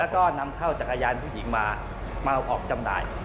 แล้วก็นำเข้าจักรยานผู้หญิงมามาเอาออกจำหน่าย